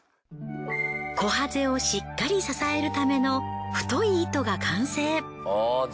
こはぜをしっかり支えるための太い糸が完成。